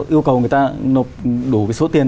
yêu cầu người ta nộp đủ số tiền